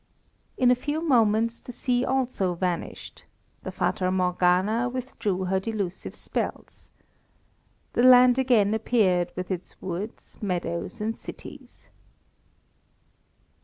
In a few moments the sea also vanished; the Fata Morgana withdrew her delusive spells. The land again appeared with its woods, meadows, and cities.